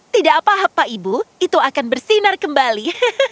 tidak apa apa ibu itu akan bersinar kembali